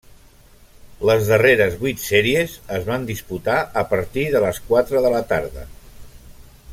Les darreres vuit sèries es van disputar a partir de les quatre de la tarda.